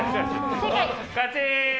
勝ち！